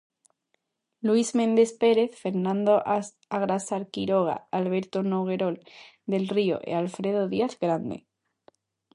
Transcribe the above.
Luís Méndez Pérez, Fernando Agrasar Quiroga, Alberto Noguerol del Río e Alfredo Díaz Grande.